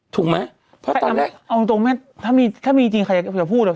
ถูกไหมเพราะตอนแรกเอาตรงแม่ถ้ามีจริงใครอยากจะพูดอ่ะ